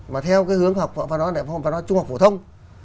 mà theo cái hướng học phổ thông đại phòng phổ thông trung học phổ thông